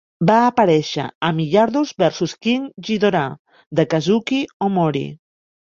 Va aparèixer a "Millardos versus King Ghidorah" de Kazuki Omori.